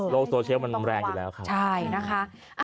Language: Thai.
โลกโซเชียลมันแรงอยู่แล้วค่ะ